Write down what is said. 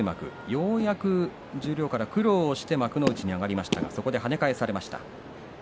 ようやく十両から苦労して幕内に上がりましたがそこで跳ね返されてしまいました。